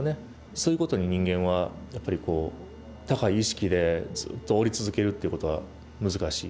そういうことに人間はやっぱり高い意識でずっとおり続けるっていうことは難しい。